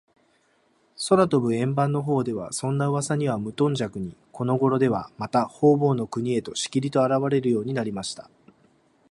空とぶ円盤のほうでは、そんなうわさにはむとんじゃくに、このごろでは、また、ほうぼうの国へと、しきりと、あらわれるようになりました。